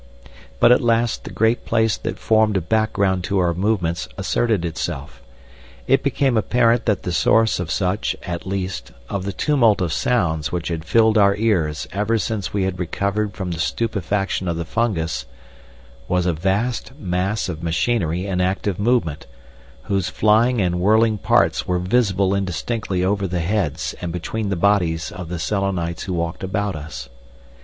But at last the great place that formed a background to our movements asserted itself. It became apparent that the source of much, at least, of the tumult of sounds which had filled our ears ever since we had recovered from the stupefaction of the fungus was a vast mass of machinery in active movement, whose flying and whirling parts were visible indistinctly over the heads and between the bodies of the Selenites who walked about us.